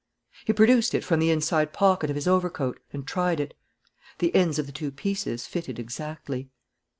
He produced it from the inside pocket of his overcoat and tried it. The ends of the two pieces fitted exactly.